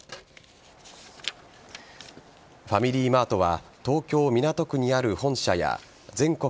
ファミリーマートは東京・港区にある本社や全国